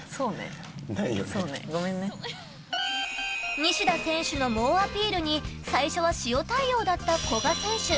西田選手の猛アピールに最初は塩対応だった古賀選手。